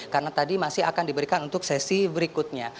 karena tadi masih akan diberikan untuk sesi berikutnya